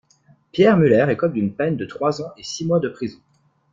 Pierre Muller écope d'une peine de trois ans et six mois de prison.